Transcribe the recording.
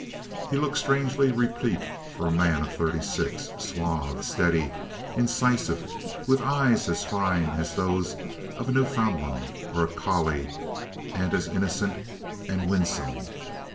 He looked strangely replete for a man of thirty six—suave, steady, incisive, with eyes as fine as those of a Newfoundland or a Collie and as innocent and winsome.